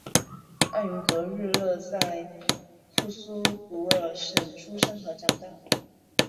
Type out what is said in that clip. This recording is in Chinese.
奥云格日勒在库苏古尔省出生和长大。